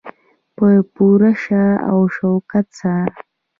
په پوره شان او شوکت سره.